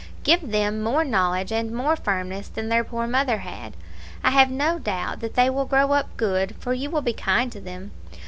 Give them more knowledge and more firmness than their poor mother had. I have no doubt that they will grow up good, for you will be kind to them.